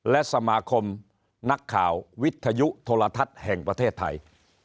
และสมาคมนักข่าววิทยุโทรทัศน์แห่งประเทศไทย